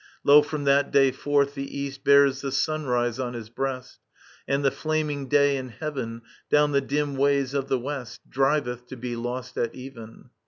Lo, from that day forth, the East Bears the sunrise on his breast, And the flaming Day in heaven Down the dim ways of the west Driveth, to be lost at even.